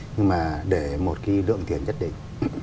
nhưng mà để một cái lượng tiền chất định